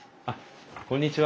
こんにちは。